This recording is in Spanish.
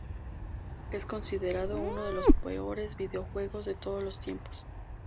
Es considerado uno de los peores videojuegos de todos los tiempos.